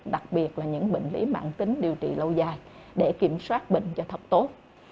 đặc biệt là những bệnh lý mạng tính điều trị lâu dài để kiểm soát bệnh cho thật tốt